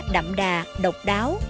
đậm đà độc đáo